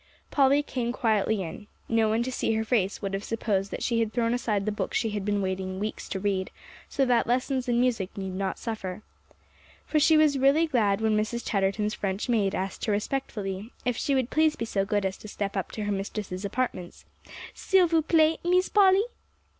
Polly came quietly in. No one to see her face would have supposed that she had thrown aside the book she had been waiting weeks to read, so that lessons and music need not suffer. For she was really glad when Mrs. Chatterton's French maid asked her respectfully if she would please be so good as to step up to her mistress's apartments, "s'il vous plait, Mees Polly."